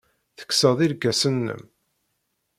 Tekkseḍ irkasen-nnem.